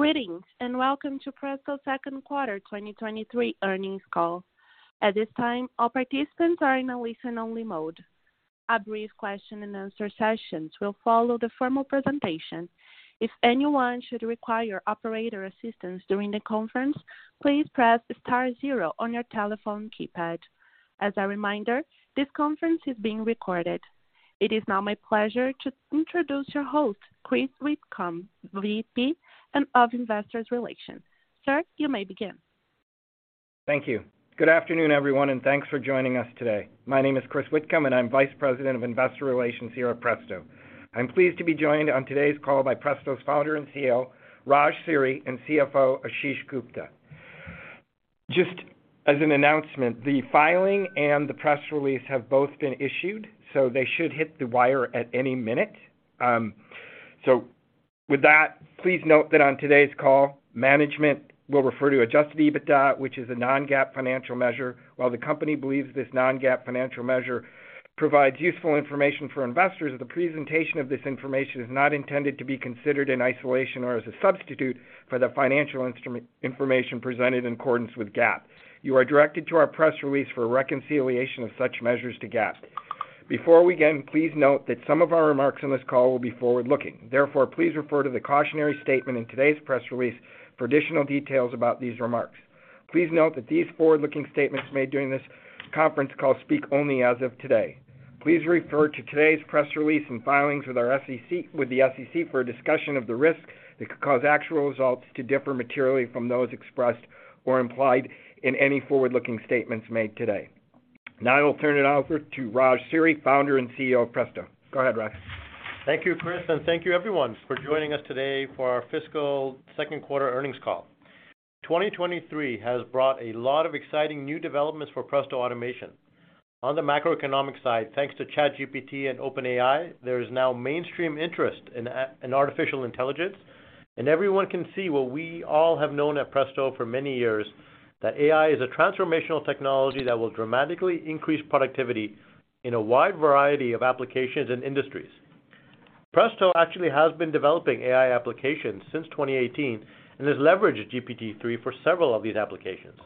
Greetings, and welcome to the Presto Second Quarter 2023 Earnings Call. At this time, all participants are in a listen only mode. A brief question and answer session will follow the formal presentation. As a reminder, this conference is being recorded. It is now my pleasure to introduce your host, Chris Whit Come VP of Investor Relations. Sir, you may begin. Thank you. Good afternoon, everyone, and thanks for joining us today. My name is Chris Whitcomb, and I'm Vice President of Investor Relations here at Presto. I'm pleased to be joined on today's call by Presto's Founder and CEO, Raj Siri and CFO, Ashish Gupta. Just as an announcement, the filing and the press release have both been issued, So they should hit the wire at any minute. So with that, please note that on today's call, management We'll refer to adjusted EBITDA, which is a non GAAP financial measure. While the company believes this non GAAP financial measure provides useful information for investors, the Presentation of this information is not intended to be considered in isolation or as a substitute for the financial information presented in accordance with GAAP. You are directed to our press release for a reconciliation of such measures to GAAP. Before we begin, please note that some of our remarks on this call will be forward looking. Therefore, please refer to the cautionary statement in today's press release for additional details about these remarks. Please note that these forward looking statements made during this Conference call speak only as of today. Please refer to today's press release and filings with the SEC for a discussion of the risks Now I will turn it over to Raj Siri, Founder and CEO of Presta. Go ahead, Raj. Thank you, Chris, and thank you everyone for joining us today for our fiscal Q2 earnings call. 2023 has brought a lot of exciting new developments for Presto Automation. On the macroeconomic side, thanks to Chat GPT and OpenAI, There is now mainstream interest in artificial intelligence and everyone can see what we all have known at Presto for many years That AI is a transformational technology that will dramatically increase productivity in a wide variety of applications and industries. Presto actually has been developing AI applications since 2018 and has leveraged GPT-three for several of these applications.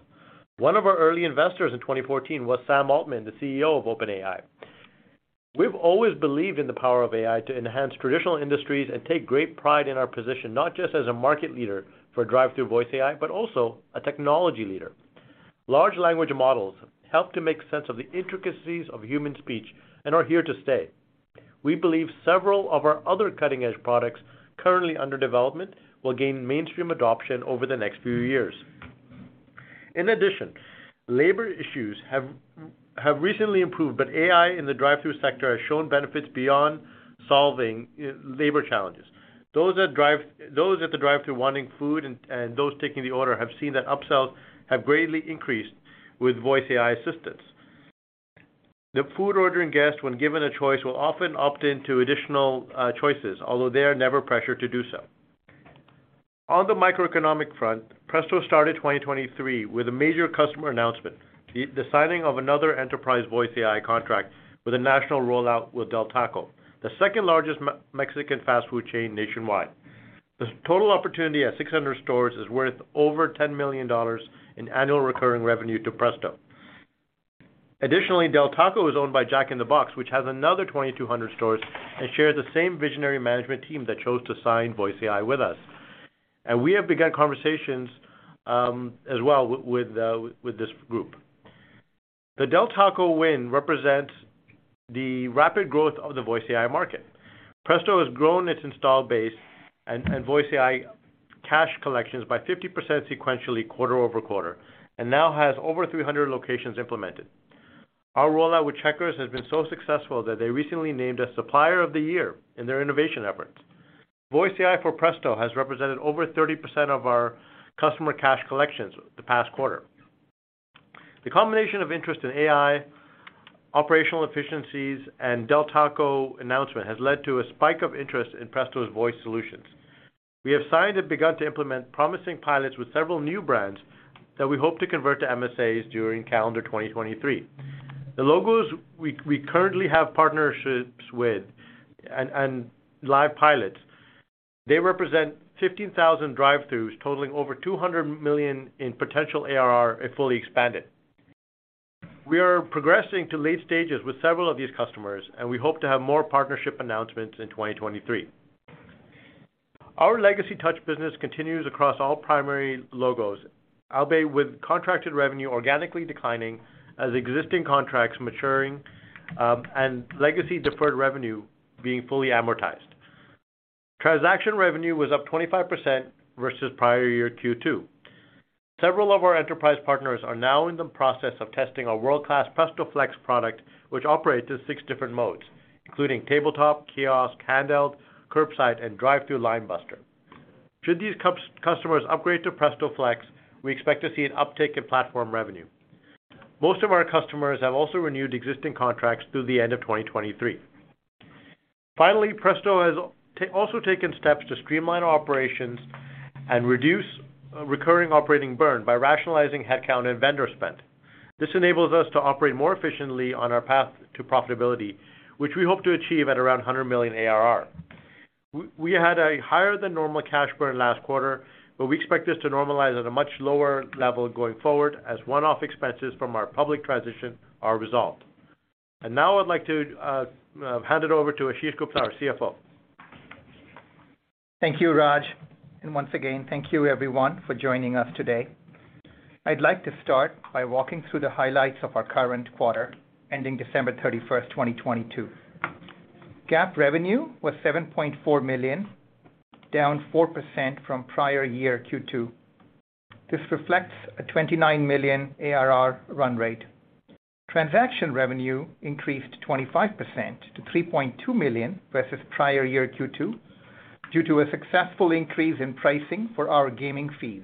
One of our early investors in 2014 was Sam Altman, the CEO of OpenAI. We've always believed in the power of AI to enhance traditional industries and take great pride in our position not just as a market leader for drive thru voice AI, but also a technology leader. Large language models Help to make sense of the intricacies of human speech and are here to stay. We believe several of our other cutting edge products currently under development We'll gain mainstream adoption over the next few years. In addition, labor issues Have recently improved, but AI in the drive thru sector has shown benefits beyond solving labor challenges. Those at the drive thru wanting food and those taking the order have seen that upsells have greatly increased with voice AI assistance. The food ordering guest when given a choice will often opt into additional choices, although they are never pressured to do so. On the microeconomic front, Presto started 2023 with a major customer announcement, the signing of another enterprise voice AI contract with a national rollout with Del Taco, the 2nd largest Mexican fast food chain nationwide. The total opportunity at 600 stores is worth over $10,000,000 And annual recurring revenue to Presto. Additionally, Del Taco is owned by Jack in the Box, which has another 2,200 stores and shares the same visionary management team that chose to VoiceAI with us. And we have begun conversations, as well with this group. The Del Taco win represents the rapid growth of the voice AI market. Presto has grown its installed base and voice AI Cash collections by 50% sequentially quarter over quarter and now has over 300 locations implemented. Our rollout with Checkers has been so successful that they recently named a Supplier of the Year in their innovation efforts. VoiceAI for Presto has represented over 30% of our customer cash collections the past quarter. The combination of interest in AI, operational efficiencies And Del Taco announcement has led to a spike of interest in Presto's voice solutions. We have signed and begun to implement promising pilots with several new brands that We hope to convert to MSAs during calendar 2023. The logos we currently have partnerships with And live pilots, they represent 15,000 drive thrus totaling over $200,000,000 in potential ARR and fully expanded. We are progressing to late stages with several of these customers and we hope to have more partnership announcements in 2023. Our legacy touch business continues across all primary logos. Albeit with contracted revenue organically declining As existing contracts maturing and legacy deferred revenue being fully amortized, Transaction revenue was up 25% versus prior year Q2. Several of our enterprise partners are now in the process of testing our world class PrestoFlex product, Which operates in 6 different modes, including tabletop, kiosk, handheld, curbside and drive through line buster. Should these customers upgrade to Presto Flex, We expect to see an uptick in platform revenue. Most of our customers have also renewed existing contracts through the end of 2023. Finally, Presto has also taken steps to streamline operations and reduce recurring operating burn by rationalizing headcount and vendor spend. This enables us to operate more efficiently on our path to profitability, which we hope to achieve at around $100,000,000 We had a higher than normal cash burn last quarter, but we expect this to normalize at a much lower level going forward as one off expenses from our public transition And now I'd like to hand it over to Ashish Gupta, our CFO. Thank you, Raj. Once again, thank you everyone for joining us today. I'd like to start by walking through the highlights of our current quarter Ending December 31, 2022. GAAP revenue was $7,400,000 down 4% from prior year Q2. This reflects a $29,000,000 ARR run rate. Transaction revenue increased 25% $3,200,000 versus prior year Q2 due to a successful increase in pricing for our gaming fees.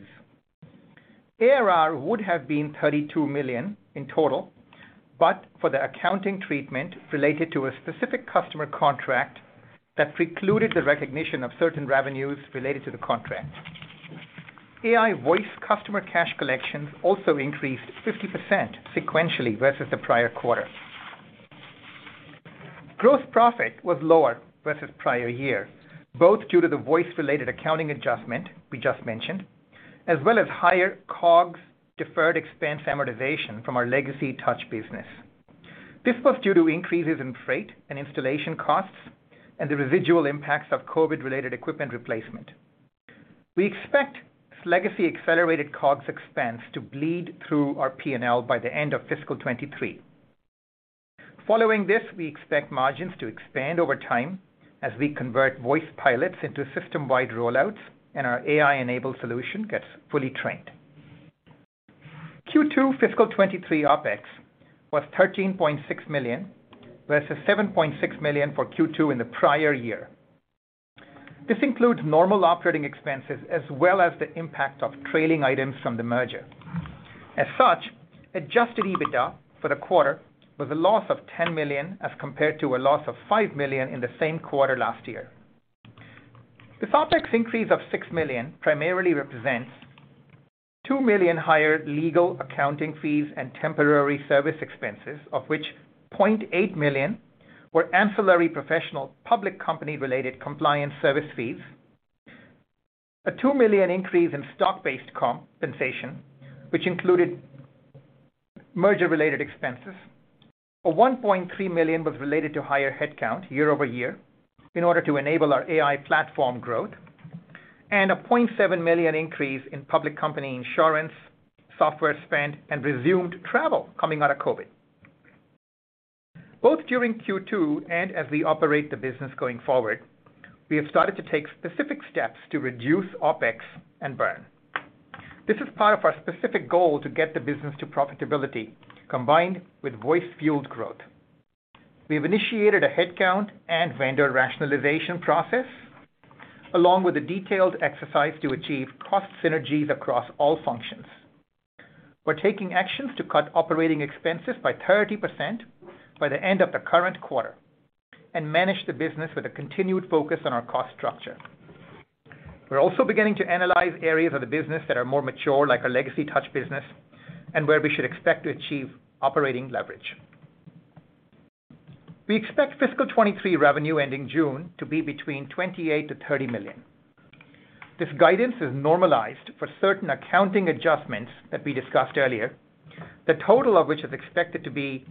ARR would have been $32,000,000 in total, but for the accounting treatment related to a specific customer contract That precluded the recognition of certain revenues related to the contract. AI voice customer cash collections also increased 50% Sequentially versus the prior quarter. Gross profit was lower versus prior year, Both due to the voice related accounting adjustment we just mentioned as well as higher COGS deferred expense amortization from our legacy touch business. This was due to increases in freight and installation costs and the residual impacts of COVID related equipment replacement. We expect legacy accelerated COGS expense to bleed through our P and L by the end of fiscal 2023. Following this, we expect margins to expand over time as we convert voice pilots into system wide rollouts and our AI enabled solution gets Fully trained. Q2 fiscal 2023 OpEx was $13,600,000 versus $7,600,000 for Q2 in the prior year. This includes normal operating expenses as well as the impact of trailing items from the merger. As such, adjusted EBITDA for the quarter was a loss of $10,000,000 as compared to a loss of $5,000,000 in the same quarter last year. This OpEx increase of $6,000,000 primarily represents $2,000,000 higher legal accounting fees and temporary service expenses, of which $800,000 were ancillary professional public company related compliance service fees a $2,000,000 increase in stock based compensation, Which included merger related expenses. A $1,300,000 was related to higher headcount year over year In order to enable our AI platform growth and a $700,000 increase in public company insurance, Software spend and resumed travel coming out of COVID. Both during Q2 and as we operate the business going forward, We have started to take specific steps to reduce OpEx and burn. This is part of our specific goal to get the business to profitability combined We have initiated a headcount and vendor rationalization process along with a detailed exercise to achieve Cost synergies across all functions. We're taking actions to cut operating expenses by 30% by the end of the current quarter And manage the business with a continued focus on our cost structure. We're also beginning to analyze areas of the business that are more mature like our legacy touch business And where we should expect to achieve operating leverage. We expect fiscal 'twenty three revenue ending June to be between $28,000,000 to 30,000,000 This guidance is normalized for certain accounting adjustments that we discussed earlier, the total of which is expected to be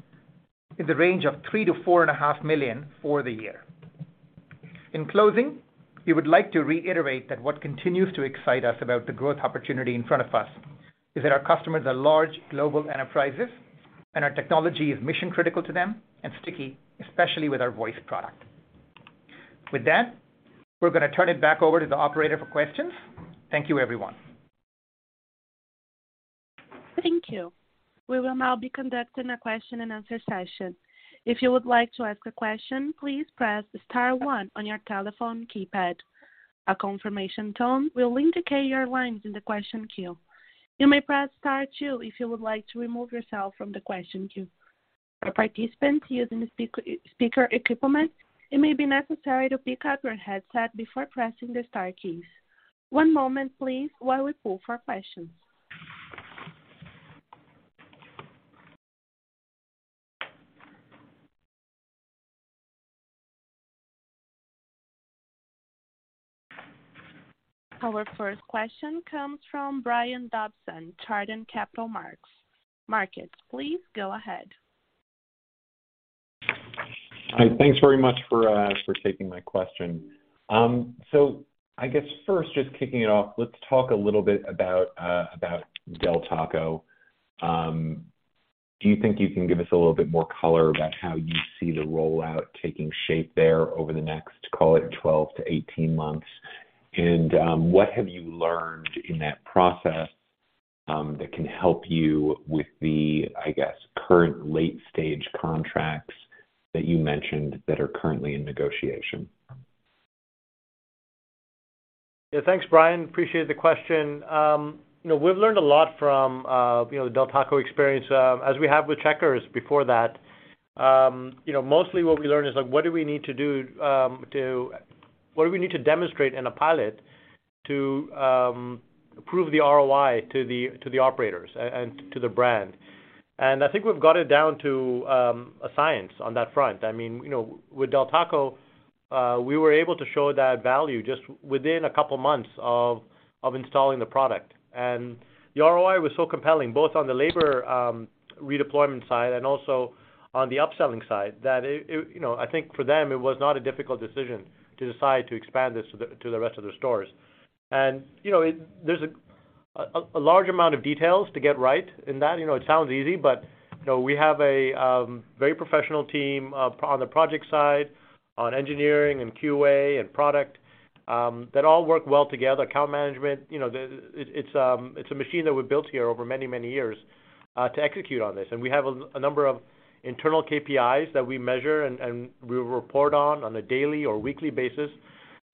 In the range of $3,000,000 to $4,500,000 for the year. In closing, we would like to reiterate that what continues to excite us about the growth Our customers are large global enterprises and our technology is mission critical to them and sticky especially with our voice product. With that, we're going to turn it back over to the operator for questions. Thank you, everyone. Thank you. We will now be conducting a question and answer session. Our first question comes from Brian Dobson, Chardan Capital Markets. Please go ahead. Hi. Thanks very much for taking my question. So I guess first just kicking it off, let's Talk a little bit about Del Taco. Do you think you can give us a little bit more color about how you see the rollout Taking shape there over the next, call it, 12 to 18 months. And what have you learned in that process That can help you with the, I guess, current late stage contracts that you mentioned that are currently in negotiation. Thanks, Brian. Appreciate the question. We've learned a lot from Del Taco experience as we have with Checkers before that. Mostly what we learned is like what do we need to do to what do we need to demonstrate in a pilot To approve the ROI to the operators and to the brand. And I think we've got it down to a science On that front, I mean, with Del Taco, we were able to show that value just within a couple of months Of installing the product. And the ROI was so compelling, both on the labor redeployment side and also On the upselling side, that I think for them, it was not a difficult decision to decide to expand this to the rest of the stores. And there's A large amount of details to get right in that. It sounds easy, but we have a very professional team on the project side, On engineering and QA and product, that all work well together, account management, it's a machine that we've built here over many, many years To execute on this, and we have a number of internal KPIs that we measure and we report on, on a daily or weekly basis.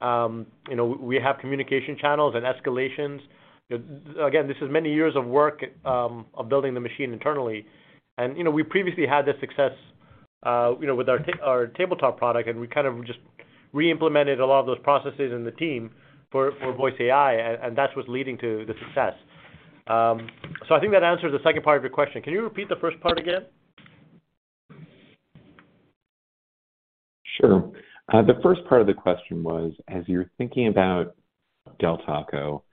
We have communication channels and escalations. Again, this is many years of work of building the machine internally. And we previously had the success with our tabletop product and we kind of just reimplemented a lot of those processes in the team For voice AI and that's what's leading to the success. So I think that answers the second part of your question. Can you repeat the first part again? Sure. The first part of the question was, as you're thinking about Del Taco,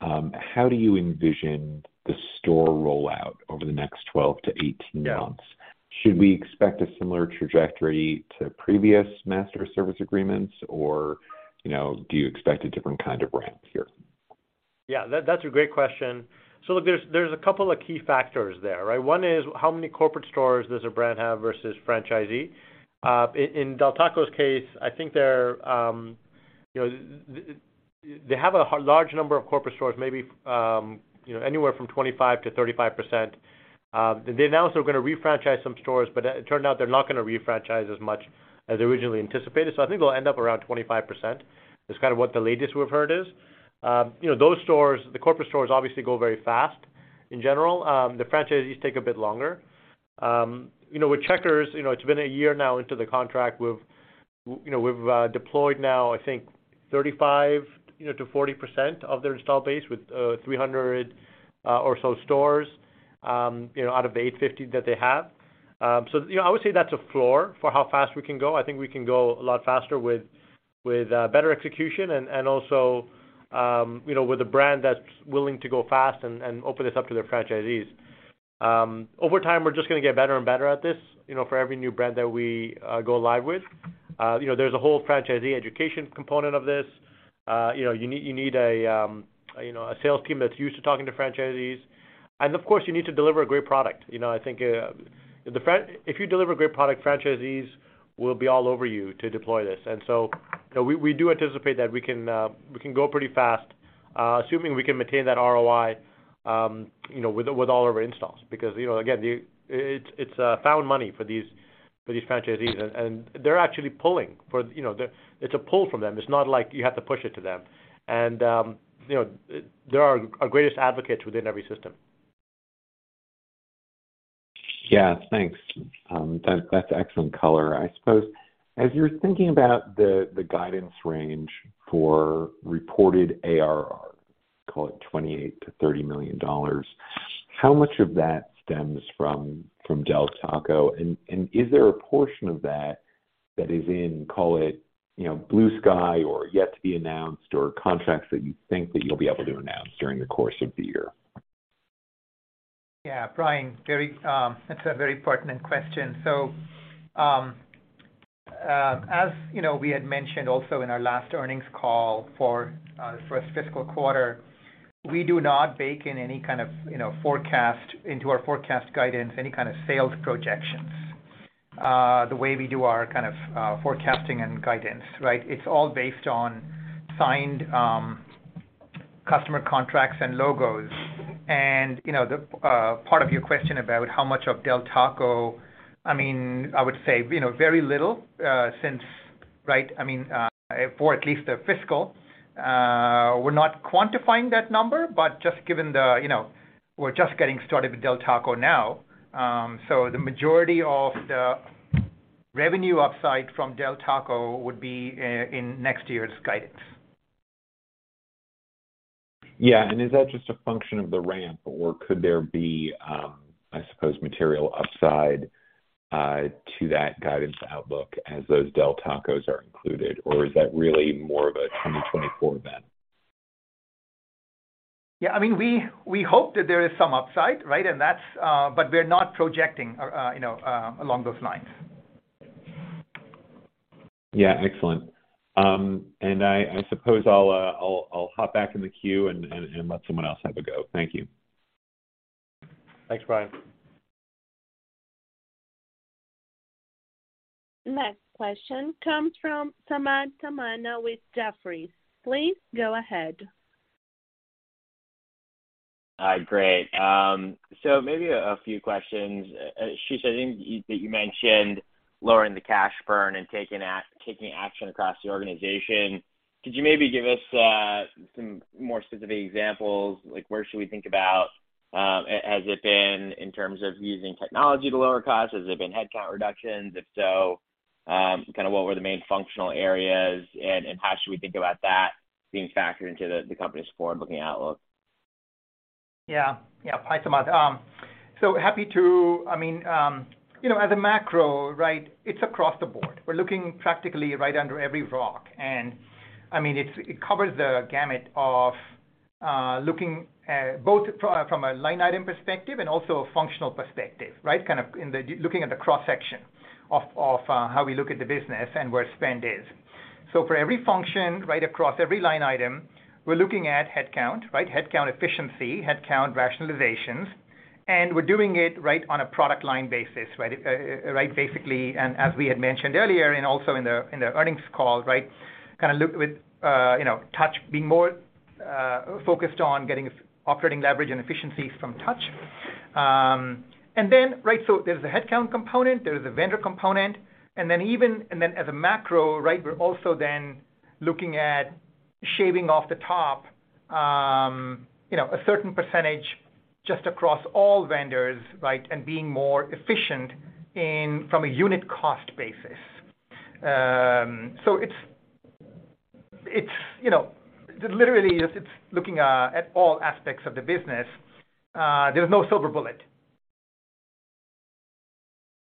how do you envision the Store rollout over the next 12 to 18 months. Should we expect a similar trajectory to previous master service agreements? Or Now do you expect a different kind of brand here? Yes, that's a great question. So look, there's a couple of key factors there, One is how many corporate stores does the brand have versus franchisee? In Del Taco's case, I think They have a large number of corporate stores, maybe anywhere from 25% to 35%. They announced they're going to refranchise some stores, but it turned out they're not going to refranchise As much as originally anticipated. So I think we'll end up around 25%. That's kind of what the latest we've heard is. Those stores, the corporate stores obviously go very fast. In general, the franchisees take a bit longer. With Checkers, it's been a year now into the contract. We've deployed now I think 35% to 40% of their installed base with 300 or so stores Out of the 850 that they have, so I would say that's a floor for how fast we can go. I think we can go a lot faster With better execution and also with a brand that's willing to go fast and open this up to their franchisees. Over time, we're just going to get better and better at this for every new brand that we go live with. There's a whole franchisee education component of this. You need a sales team that's used to talking to franchisees. And of course, you need to deliver a great product. I think If you deliver great product, franchisees will be all over you to deploy this. And so we do anticipate that we can go pretty fast, Assuming we can maintain that ROI with all of our installs, because again, it's found money for these And they're actually pulling for it's a pull from them. It's not like you have to push it to them. And They are our greatest advocates within every system. Yes, thanks. That's excellent color. I suppose As you're thinking about the guidance range for reported ARR, call it $28,000,000 to $30,000,000 How much of that stems from Del Taco? And is there a portion of that, that is in, call it, Blue Sky or yet to be announced or contracts that you think that you'll be able to announce during the course of the year? Yes. Brian, Gary, that's a very pertinent question. So, as we had mentioned also in our last earnings Call for the 1st fiscal quarter. We do not bake in any kind of forecast into our forecast guidance any kind of sales projections The way we do our kind of forecasting and guidance, right, it's all based on signed Customer contracts and logos and the part of your question about how much of Del Taco, I mean, I would say very little Since right, I mean, for at least the fiscal, we're not quantifying that number, but just given the We're just getting started with Del Taco now. So the majority of the revenue upside from Del Taco would be in next Yes. And is that just a function of the ramp? Or could there be, I suppose material upside To that guidance outlook as those Del Tacos are included or is that really more of a 2024 event? Yes. I mean, we hope that there is some upside, right? And that's but we are not projecting along those lines. Yes, excellent. And I suppose I'll hop back in the queue and let someone else have a go. Thank you. Thanks, Brian. Next question comes from Samad Samana with Great. So maybe a Few questions. Ashish, I think that you mentioned lowering the cash burn and taking action across the organization. Could you maybe give us some more specific examples like where should we think about, has it been in terms of using technology to lower costs? Has it been head Reduction, if so, kind of what were the main functional areas and how should we think about that being factored into the company's forward looking outlook? Yes. Hi, Samad. So happy to I mean, as a macro, right, it's across the board. We're looking practically right under every rock. And I mean it covers the gamut of looking Both from a line item perspective and also a functional perspective, right, kind of looking at the cross section of how we look at the business and where spend is. So for every function right across every line item, we're looking at headcount, right, headcount efficiency, headcount rationalizations And we're doing it right on a product line basis, right basically. And as we had mentioned earlier and also in the earnings call, right, Kind of look with touch being more focused on getting operating leverage and efficiencies from touch. And then, right, so there's a headcount component, there's a vendor component and then even and then as a macro, right, we're also then looking at Shaving off the top, a certain percentage just across all vendors, right, and being more efficient And from a unit cost basis, so it's Literally, it's looking at all aspects of the business. There is no silver bullet.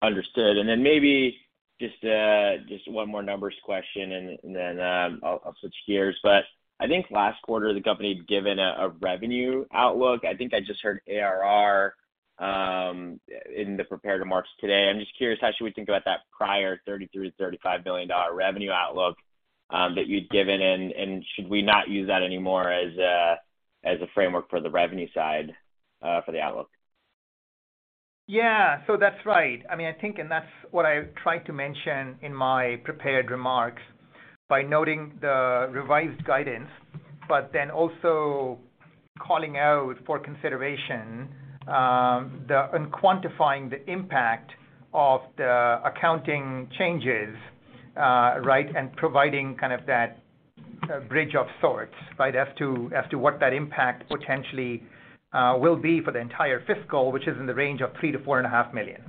Understood. And then maybe just one more numbers question and then I'll switch gears. But think last quarter the company had given a revenue outlook. I think I just heard ARR in the prepared remarks today. I'm just curious how should we think about Prior $33,000,000,000 to $35,000,000,000 revenue outlook that you'd given in and should we not use that anymore as a framework for the revenue side For the outlook? Yes. So that's right. I mean I think and that's what I tried to mention in my prepared remarks By noting the revised guidance, but then also calling out for consideration The and quantifying the impact of the accounting changes, right, and providing kind of that Great job. So it's right as to what that impact potentially will be for the entire fiscal, which is in the range of $3,000,000 to $4,500,000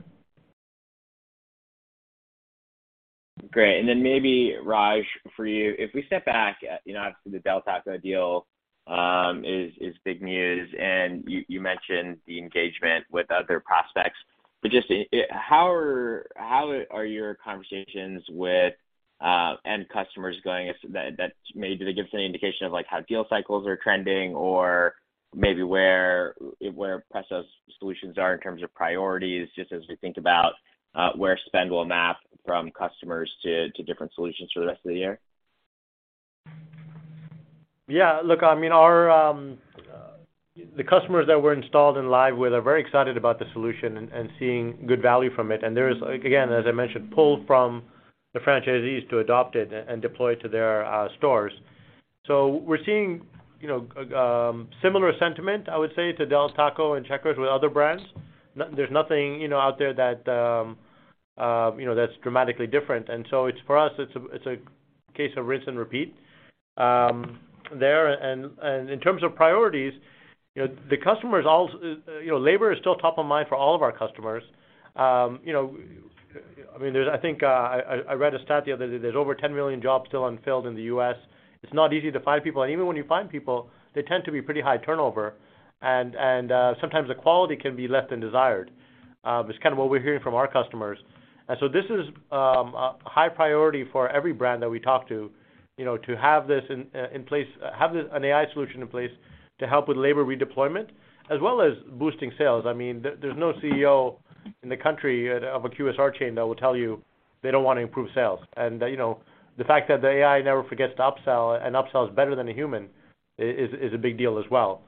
Great. And then maybe, Raj, for you. If we step back, obviously, the Del Taco deal It's big news. And you mentioned the engagement with other prospects. But just how are your conversations with With end customers going, that maybe give us any indication of like how deal cycles are trending or maybe where Presta's Solutions are in terms of priorities, just as we think about where spend will map from customers to different solutions for the rest of the year? Yes. Look, I mean, our the customers that were installed in Live with are very about the solution and seeing good value from it. And there is, again, as I mentioned, pulled from the franchisees to adopt it and deploy to their stores. So we're seeing similar sentiment, I would say, to Del Taco and Checkers with other brands. There's nothing out there That's dramatically different. And so it's for us, it's a case of rinse and repeat there. And in terms of priorities, The customers labor is still top of mind for all of our customers. I mean, I think I read a stat the other day, there's over 10,000,000 jobs still unfilled in the U. S. It's not easy to find people. And even when you find people, they tend to be pretty high turnover. And sometimes the quality can be less than desired. It's kind of what we're hearing from our customers. And so this is a high priority for every brand that we talk To have this in place have an AI solution in place to help with labor redeployment as well as boosting sales, I mean, there's no CEO In the country of a QSR chain, they will tell you they don't want to improve sales. And the fact that the AI never forgets to upsell and upsells better than a human It's a big deal as well.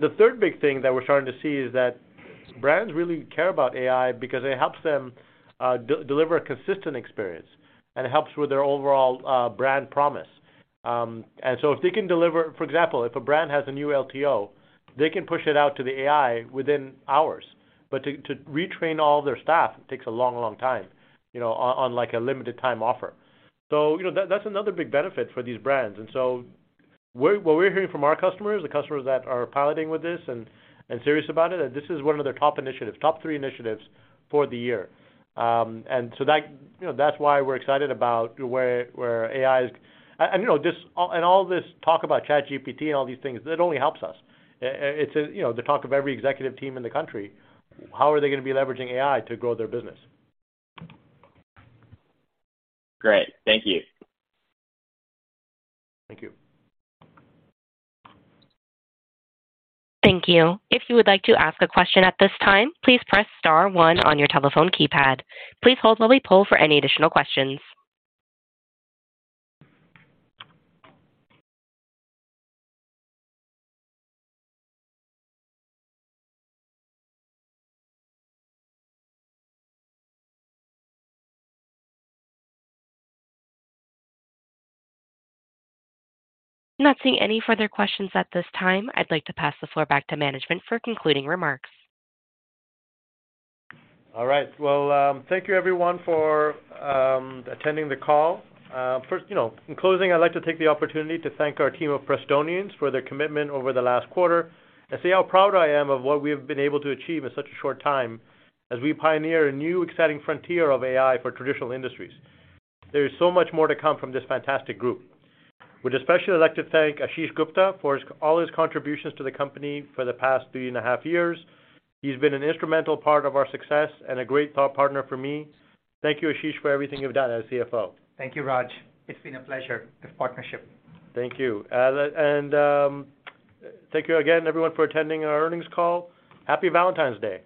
The 3rd big thing that we're starting to see is that brands really care about AI because it helps them Deliver a consistent experience and helps with their overall brand promise. And so if they can deliver for example, if a brand has a new LTO, They can push it out to the AI within hours, but to retrain all their staff, it takes a long, long time, unlike a limited time offer. So that's another big benefit for these brands. And so what we're hearing from our customers, the customers that are piloting with this and And serious about it? This is one of their top initiatives, top three initiatives for the year. And so that's why we're excited about where AI And all this talk about chat GPT and all these things, that only helps us. It's the talk of every executive team in the country. How are they going to be leveraging AI to grow their business? Great. Thank you. Thank you. Thank you. Not seeing any further questions at this time. I'd like to pass the floor back to management for concluding remarks. All right. Well, thank you everyone for attending the call. First, in closing, I'd like to As we pioneer a new exciting frontier of AI for traditional industries, there is so much more to come from this fantastic group. We'd especially like to thank Ashish Gupta for all his contributions to the company for the past three and a half years. He's been an instrumental part of our success A great thought partner for me. Thank you, Ashish, for everything you've done as CFO. Thank you, Raj. It's been a pleasure of partnership. Thank you. And Thank you again everyone for attending our earnings call. Happy Valentine's Day.